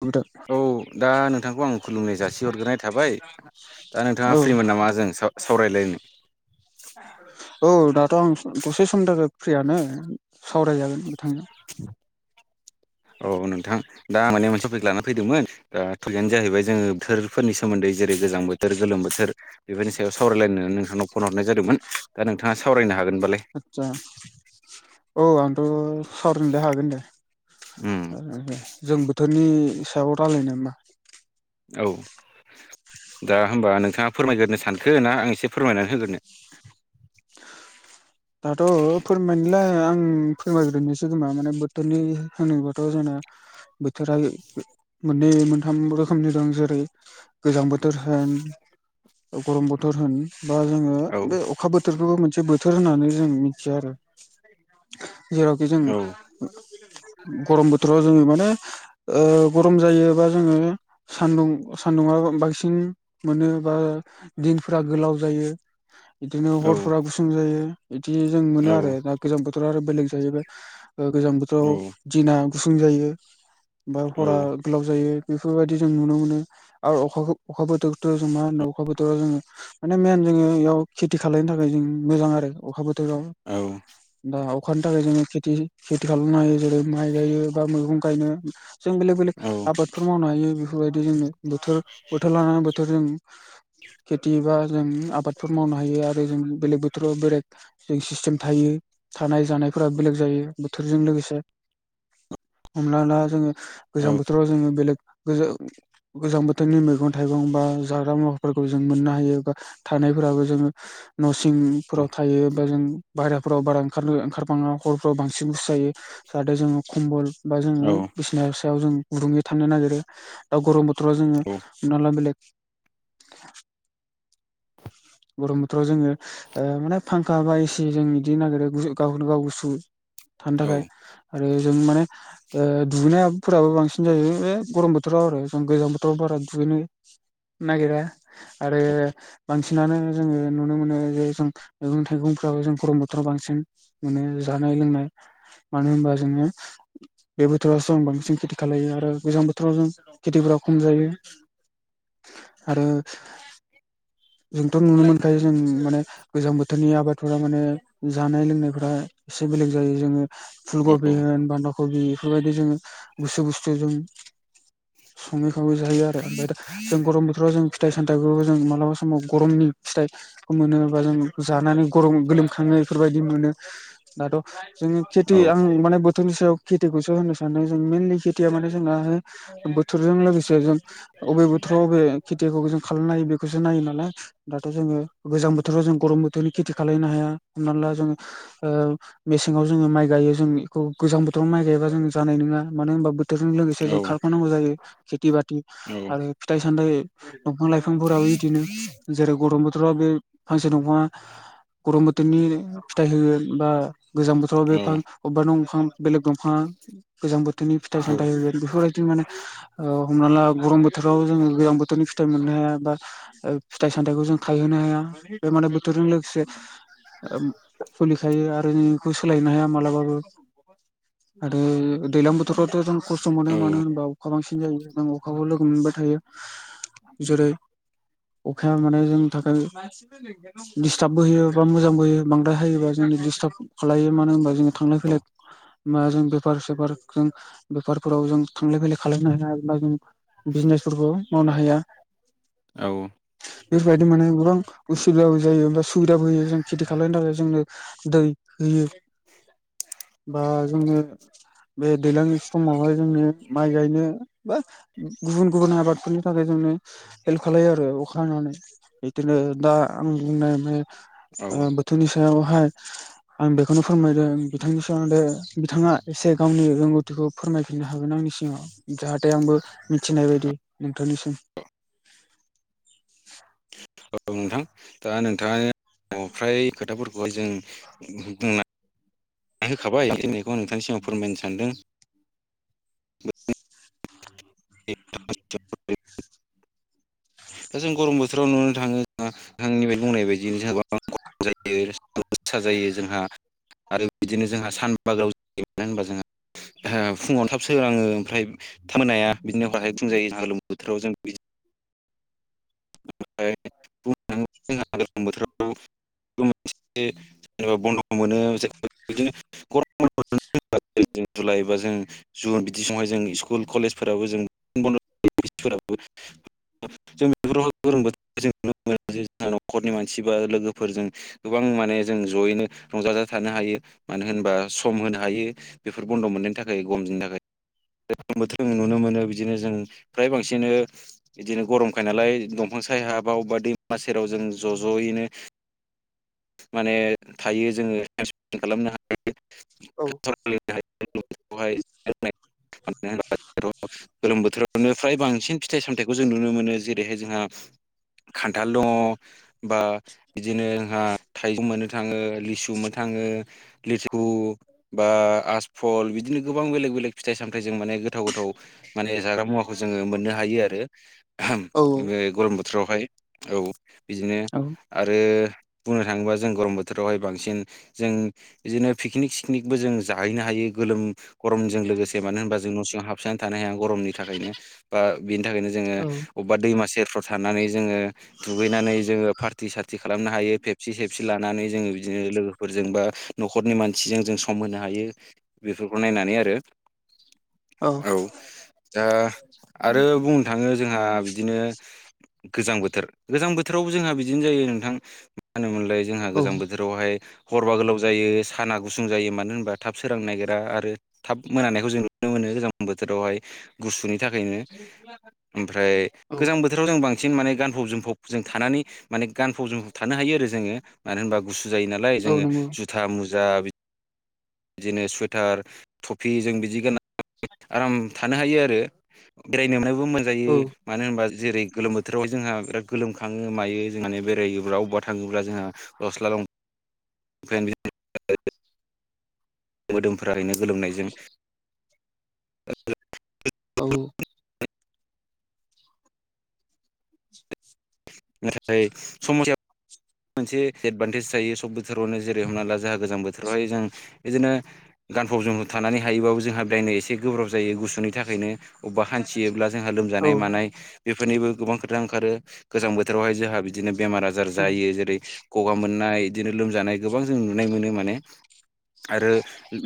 नोंथां औ दा नोंथांखौ आं खुलुमनाय जासिहरग्रोनाय थाबाय। दा औ नोंथाङा फ्रिमोन नामा जों सावरायलायनो। औ दाथ' आं दसे समनि थाखाय फ्रियानो सावरायजागोन बिथांनो [inaudible] औ नोंथां दा माने मोनसे टपिक लाना फैदोंमोन द टपिकनो जाहैबाय जोङो बोथोर फोरनि सोमोन्दै जेरै गोजां बोथोर गोलोम बोथोर बेफोरनि सायाव सावरायलायनानै नोंथांनाव फन हरनाय जादोंमोन। दा नोंथाङा सावरायनो हागोन होनबालाय? आचसा औ आंथ' सारनिलाय हागोन दे। उम आरो जों बोथोरनि हिसाबाव रायजलायनाय नामा? औ दा होमबा नोंथाङा फोरमायग्रोनो सानखो ना आं एसे फोरमायनानै होगोरनो दाथ' फोरमायलाय आं फोरमायग्रोननि सिगोमा माने बोथोरनि होनोबाथ' जोंना बोथोरा मोननै मोनथाम रोखोमनि दं जेरै गोजां बोथोर होन गरम बोथोर होन बा जोङो औ बे अखा बोथोरखौबो मोनसे बोथोर होननानै जों मिथिया आरो जेरावखि जों औ गरम बोथोराव जोङो माने गरम जायोबा जोङो सान्दुं सान्दुंङा बांसिन मोनो बा दिनफोरा गोलाव जायो बिदिनो औ हरफोरा गुसुं जायो बिदि जों मोनो औ आरो गोजां बोथोराव आरो बेलेग जायोबाय गोजां बोथोराव दिना गुसुं जायो। बा औ हरा गोलाव जायो। बेफोरबायदि जों नुनो मोनो आरो अखा अखा बोथोरथ' जों मा होनो अखा बोथोराव जोङो माने मेन जोङो बेयाव खेथि खालनो थाखाय जों मोजां आरो अखा बोथोराव औ। दा अखानि थाखाय जोङो खेथि खेथि खालामनो हायो जेरै माइ गायो बा मैगं गायनो जों बेलेक बेलेक औ आबादफोर मावनो हायो बेफोरबायदि जों बोथोर बोथोर लानानै बोथोर जों खेथि बा जों आबादफोर मावनो हायो आरो जों बेलेग बोथोराव बेलेग जों सिस्टेम थायो थानाय जानायफोरा बेलेग जायो बोथोरजों लोगोसे हमलाला जोङो गोजां बोथोराव जोङो बेलेग गोज गोजां बोथोरनि मैगं थाइगं बा जाग्रा मुवाफोरखौ जों मोननो हायो बा थानायफोराबो जोङो न'सिंफोराव थायो बा जों बाहहाफोराव बारा ओंखारनो ओंखारबाङा हरफ्राव बांसिन बुसु जायो जाहाथे जोङो खम्बल बा जोङो औ बिसिना सायाव जों गुदुङै थांनो नागिरो दा गरम बोथोराव जोङो नल बेलेग गरम बोथोराव जोङो माने फांखा बा एसे जों बिदिनो नागिरो गावखौनो गाव गुसु थानो थाखाय आरो जों माने दुैनायफोराबो बांसिन जायो बे गरम बोथोराव आरो ज गोजां बोथोराव बारा दुगैनो न गिरा आरो मानसि बिसिनानो जोङो नुनो मोनो जे जों मैगं थाइगंफ्राबो जों गरम बोथोराव बांसिन माने जानाय लोंनाय मानो होनबा जोङो बे बोथोरावसो आं बांसिन खेथि खाायो आरो गोजां बोथोराव जों खेथिफोरा खम जायो। आरो जोंथ' नुनो मोनखायो जों माने गोजां बोथोरनि आबादफोरा माने जानाय लोंनायफोरा एसे बेलेग जायो जोङो फुलकबि होन बान्दा कबि बेफोरबायदि जोङो गुसु बुस्थु जों सङै खावै जायो आरो ओमफ्राय दा जों गरम बोथोराव जों फिथाइ सामथाइफोरखौ जों मालाबा समाव गरमनि फिथाइखौ मोनोबा जों जानानै गरम गोलोमखाङो बेफोरबायदि मोनो। दाथ' जों खेथि आं माने बोथोरनि सायाव खेथिखौसो होनो सानो जों मेनलि खेथिया माने जों बोथोरजों लोगोसे जों बबे बोथोराव बबे खेथिखौ जों खालामनो हायो बेखौसो नायो ना दाथ' जोङो गोजां बोथोराव जों गरम बोथोरनि खेथि खालनो हाया हमना ला जोङो मेसेङाव जोङो माइ गायो जों बेखौ गोजां बोथोराव माइ गायबा जों जानाय नङा मानो होनबा बेटजों लोगोसे जों खारफानांगौ जायो खेथि बाथि औ आरो फिथाइ सामथायाइ दंफां लाइफांफोराबो बिदिनो जेरै गरम बोथोराव बे फांसे दंा गरम बोथोरनि फिथाइ होयो बा गोजां बोथोराव औ बा अबेबा' दंफां बेलेग दंफां गोजां बोथोरनि फिथाइ औ सामथाइ बेफोरबायदि माने ओ हमना ला गरम बोथोराव जोङो गोलां बोथोरनि फिथायाइ मोननो हाया बा फिथाइ सामथायाइखौ जों खायहोनो हाया बे माने बोथोरजों लोगोसे फुलिखायो आरो बे खौ सोलायनो हाया मालाबाबो आरो दैज्लां बोथोरावथ' जों खस्थ' मोनो मानो होनबा अखा बांसिन जायो जों अखाखौो लोगो मोनबाय थायो जेरै अखाया मानाय जों थाखाय दिडिस्टार्बबो होयो बा मोजांबो होयो बांद्राय होायोबा जोंनि दिस्टार्ब खालायो मानो होनबा जोङो थांलाय फैलाय औ मा जों बेफार सेफार जों बेफारफोराव जों थांलाय फैलाय खालामायनो हायाा जों बिजनेसफोरबो मावनो हाया। औ बेफोरबायदि माने गोबां उसुबिदाबो जायो बा सुबिदाबो होयो जों खेथि खानो थाखाय जोंनो दै होयो बा जोंनो बे दैज्लांनि समावहाय जों माइ गायनो बा गुबुन गुबुन आबादफोरनि थाखाय जोंनो हेल्प खालामलायो आरो। नानै बिदिनो दा आं बुंनाय औ ओ बो नि सायावहाय आं बेखौनो फोरमायदों बिथांनि सोमोनांदो बिथाङा एसे गावनि रोंगौथिखौ फोरमायफिननो हागोन आंनि सिगाङाव। जाहाथे आंबो मिथिनाय बायदि नोंथांनिसिम औ नोंथां दा नोंथाङा फ्राय खोथाफोरखौहाय जों बुंना होखाबाय होननायखौ नोंथांनि सिगाव फोरमायनो सानदों। औ दा जों गरम बोथोराव नुनो थाङो आंनिफ्राय बुंनाय बायदि जोंहा गरम जायो। खसा जायो जोंहा आरो बिदिनो जोंहा सानबागाव जानो होनबा जोंहा फुङावनो थाब सोग आङो ओमफ्राय थाब मोनाया बिदिनो हरहाय बुंजायो जों गोलोम बोथोराव जों बि [unintelligible] [inaudible] जेनबा बन्द मोनो बिदिनो [unintelligible] जुलाइ बा जों जुन बिदि समहाय जों स्कुल कलेजफोराबो जों ब'न्द [unintelligible] जों गोरों बोथोरखौ जों नुनो मोनो ज जोंहा नखरनि मानसि बा लोगोफोरजों गोबां माने जों जयैनो रंजाजा थानो हायो मानो होनबा सम होनो हायो। बेफोर बन्द' मोननायनि थाखाय गम जनि थाखाय बोथों नुनो मोनो बिदिनो जों फ्राय बांसिन बिदिनो गरम उफाय नालाय दंफां साय हाबाव बा दैमा सेराव जों ज जयैनो माने थायो जोङो टाइम स्पेन्ड खालामनो हायो औ [unintelligible] [unintelligible] गोलोम बोथोरावनो फ्राय बांसिन फिथाइ सामथायाइखौ जों नुनो मोनो जेरैहाय जोंहा खान्थाल दङ बा बिदिनो जोंहा थाइगं मोननो थाङो लिसु मोननो थाङो। लिरफु बा आसफल बिदिनो गोबां बेलेग बेलेग फिथाइ सामथायाइजों माने गोथाव गोथाव माने जाग्रा मुवाखौ जोङो मोननो हायो आरो। औ बे गरम बोथोरावहाय औ बिदिनो आरो बुंनो थाङोबा जों गरम बोथोरावहाय बांसिन जों बिदिनो पिकनिक सिकनिकबो जों जाहैनो हायो गोलोम गरमजों लोगोसे मानो होनबा जों न' सिङाव हाबसोननानै थानो हाया गरमनि थाखायनो बा बेनि थाखायनो जोङो अबेबा दैमा सेरफ्राव थानानै जोङो दुगैनानै जोङो पार्टि सार्टि खालामनो हायो खेबसे खेबसे लानानै जोङो बिदिनो लोगोफोरजों बा न'खरनि मानसिजों जों सम होनो हायो बेफोरखौ नायनानै आरो औ दा आरो बुंनो थाङो जोंहा बिदिनो गोजां बोथोर गोजां बोथोरावबो जोंहा बिदिनो जायो नोंथां मा होनोमोनलाय जोंहा गोजां बोथोरावहाय हरबा गोलाव जायो साना गुसुं जायो मानो होनबा थाब सोरां नायगिरा आरो थाब मोनानायखौ जों नुनो मोनो गोजां बोथोरावहाय गुसुनि थाखायनो ओमफ्राय औ गोजां बोथोराव जों बांसिन माने गानफब जोमफब जों थानानै माने गानफब जोमफब थानो हायो आरो जोङो मानो होनबा गुसु जायो नालाय औ जोङो नंगौ जुथा मुजा बि बिदिनो सुवेटार थुफि जों बिदि गान आराम थानो हायो आरो बेरायनोबो मोजां जायो औ मानो होनबा जेरै गोलोम बोथोरावहाय जोंहा बिराद गोलोमखाङो मायो जों माने बेरायोब्ला अबेबा थाङोब्ला जोंहा गस्ला दं [unintelligible] मोदोमफोरा एरैनो गोलोमनायजों [unintelligible] औ नाथाय सम मोनसे एदभान्टेज जायो सब बोथोरावनो जेरै हमना ला जोंहा गोजां बोथोरावहाय जों बिदिनो गानफब जोमफब थानानै हायोबाबो जोंहा दायनाय एसे गोब्राब जायो गुसुनि थाखायनो अबेबा हान्थियोब्ला जोंहा औ लोमजानाय मानाय बेफोरनिबो गोबां खोथा ओंखारो गोजां बोथोरावहाय जोंहा बिदिनो बेमार आजार जायो जेरै गगा मोननाय बिदिनो लोमजानाय गोबां जों नुनो मोनो माने आरो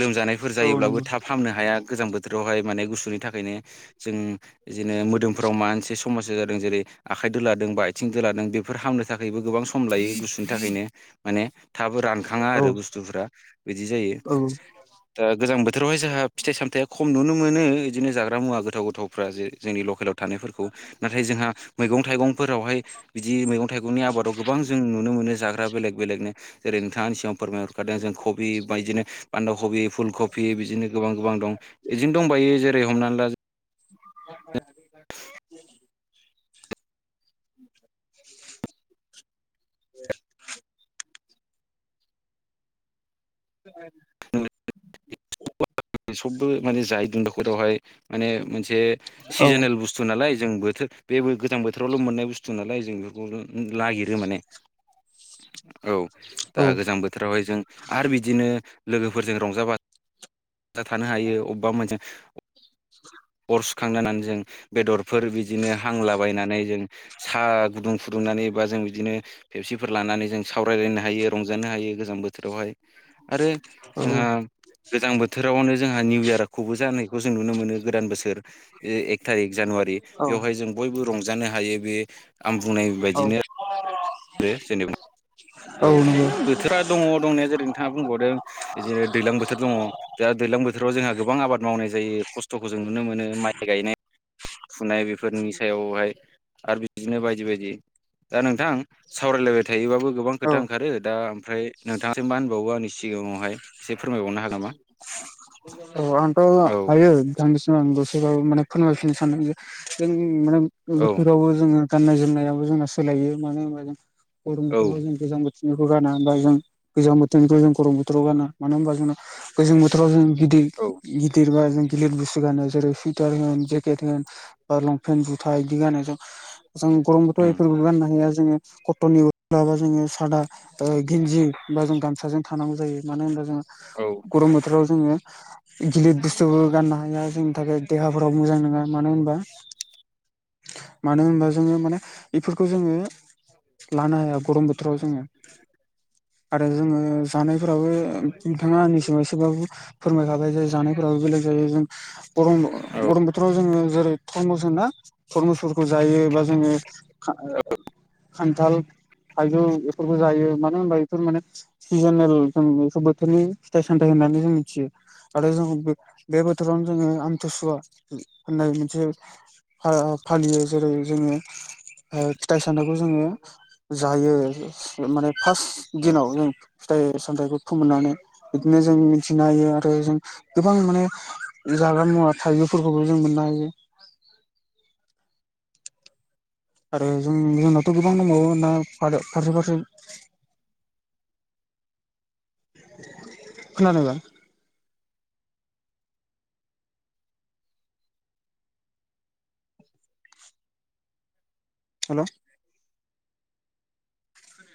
लोमजानाय फोर औ जायोब्लाबो नंगौ थाब फामनो हाया गोजां बोथोरावहाय माने गुसुनि थाखायनो जों बिदिनो मोदोमफ्राव माबा मोनसे समस्या जादों जेरै आखाइ दोलादों बा आथिं दोलादों बेफोर हामनो थाखायबो गोबां सम सम लायो गुसुनि थाखायनो माने थाबबो रानखाङा औ आरो बुस्थुफोरा बिदि जायो औ दा गोजां बोथोरावहाय जोंहा फिथाइ सामथाया खम नुनो मोनो बिदिनो जाग्रा मुवा गोथाव गोथावफ्रा जे जोंनि लकेलाव थानायफोरखौ नाथाय जोंहा मैगं थाइगंफोरावहाय बिदि मैगं थाइगंनि आबादाव गोबां जों नुनो मोनो जाग्रा बेलेग बेलेगनो जेरै नोंथाङानो सिगाङाव फोरमायहरखादों जों कबि बायदिनो बान्दा कबि फुल कबि बिदिनो गोबां गोबां दं बिदिनो दंबायो जेरै हमनानै ला [inaudible] उ सबबो माने जाय [unintelligible] हाय माने मोनसे औ सिजोनेल बुस्थु बुस्थु नालाय जों बोथोर बे गोजां बोथोरावल' मोननाय बुस्थु नालाय जों बेफोरखौ नागिरो माने [inaudible] औ दा गोजां बोथोरावहाय जों आरो बिदिनो लोगोफोरजों रंजा बाजा थानो हायो अबेबा मोजां [inaudible] सुखांहोनानै जों बेदरफोर बिदिनो हांलाबायनानै जों साहा गुदुं फुदुंनानै बा जों बिदिनो फेबसिफोर लानानै जों सावरायलायनो हायो रंजानो हायो गोजां बोथोरावहाय आरो जोंहा गोजां बोथोरावनो जोंहा निउ इयारखौबो जानायखौ जों नुनो मोनो गोदान बोसोर एक थारिक जानुवारि बेवहाय जों बयबो रंजानो हायो बे आं बुंनाय बायदिनो अ जेनेबा औ बिदि बोथोरा दङ दंनाया जेरै नोंथाङा बुंबावदों बिदिनो दैज्लां बोथोर दङ दा दैज्लां बोथोराव जोंहा गोबां आबाद मावनाय जायो खस्थ'खौ जों नुनो मोनो माइ गायनाय फुनाय बेफोरनि सायावहाय आरो बिदिनो बायदि बायदि दा नोंथां सावरायलायबाय थायोबाबो गोबां खोथा औ ओंखारो दा ओमफ्राय नोंथांासिम मा होनबावो आंनि सिगाङावहाय एसे फोरमायबावनो हागोन नामा औ आथ औ दायो बिथांनिसिमाव आं गसोराव माने फोरमायफिननो सानदों जे जों माने औ बोथोरावबो जोङो गाननाय जोमनायाबो जोंना सोलायो मानो होनबा जों गरम औ बोथोराव जों गोजां बोथोराव बेखौ गा होमबा जों गोजां बोथोरनिखौ जों गरम बोथोराव गाना मानो होनबा जोंना गोजां बोथोराव जों गिदिर औ गिदिर बा जों गिलिर बुस्थु गानो जेरै सुइटार होन जेकेट होन बा लंपेन्ट जुथा बिदि गानो जों जों गरमबोथ' उम बेफोरबो गाननो हाया जोङो कटननि उरबा जोङो सादा गिन्जि बा जों गामसाजों थानांगौ जायो मानो होनबा जोङो औ गरम बोथोराव जोङो गिलिर बुस्थुबो गाननो हाया जोंनि थाखाय देहाफोराव मोजां नङा मानो होनबा मानो होनबा जोङो माने बेफोरखौ जोङो लानो हाया गरम बोथोराव जोङो आरो जोङो जानायफोराबो बिथाङा आंनिसिमाव एसेबाबो फोरमायखाबाय जे जानायफोराबो बेलेग जायो जों गरम औ गरम बोथोराव जोङो जेरै टरमुस होना टरमुसफोरखौ जायो बा जोङो खान्थाल थाइजौ बेफोरबो जायो मानो होनबा बेफोर माने सिजोनेल जों बे बोथोरनि फिथाय सामथाय होननानै जों मिथियो आरो जों बे बोथोरावनो जोङो आमथिसुवा होननाय मोनसे फालियो जेरै जोङो फिथाइ सनायखौ जोङो जायो माने फार्स्ट औ दिनाव जों फिथाइ सामथाइखौ फोमोननानै बिदिनो जों मिथिनो हायो आरो जों गोबां माने जाग्रा मुवा थायजौफोरखौबो जों मोननो हायो आरो जों जोंनावथ' गोबां दंबावो ना फारसे फारसे खोनादों हेल'